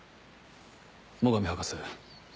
最上博士。